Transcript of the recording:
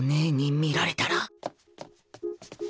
見られた！？